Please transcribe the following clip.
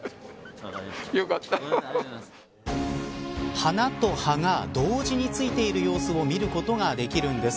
花と葉が同時についてる様子を見ることができるんです。